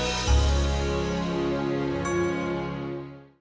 oh seperti itu